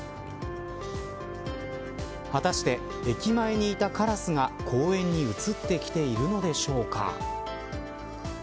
果たして、駅前にいたカラスが公園に移ってきているのでしょうか。